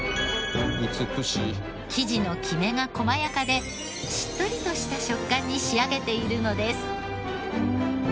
生地のきめが細やかでしっとりとした食感に仕上げているのです。